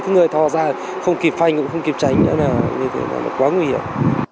người thoa ra không kịp phanh cũng không kịp tránh nữa là như thế là nó quá nguy hiểm